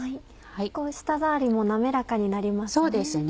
舌触りも滑らかになりますね。